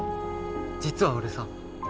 実は俺さ。